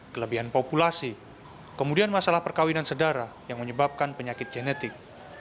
kelebihan populasi kemudian masalah perkawinan sedara yang menyebabkan penyakit genetik